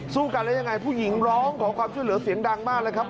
สู้กันแล้วยังไงผู้หญิงร้องขอความช่วยเหลือเสียงดังมากเลยครับ